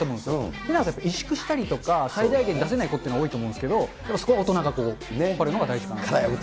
ふだんから萎縮したり、最大限出せない子って多いと思うんですけど、そこは大人が引っ張るのが大事かなと。